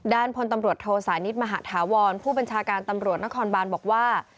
พลตำรวจโทสานิทมหาธาวรผู้บัญชาการตำรวจนครบานบอกว่า